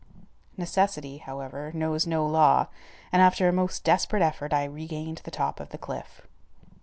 Necessity, however, knows no law, and after a most desperate effort I regained the top of the cliff.